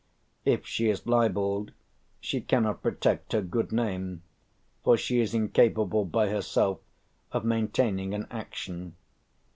If she is libelled, she cannot protect her good name, for she is incapable by herself of maintaining an action.